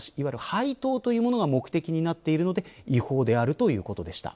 配当というものが目的になっているので、違法であるということでした。